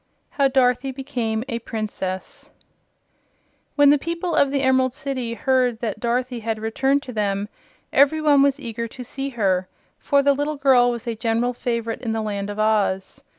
How Dorothy Became a Princess When the people of the Emerald City heard that Dorothy had returned to them every one was eager to see her, for the little girl was a general favorite in the Land of Oz.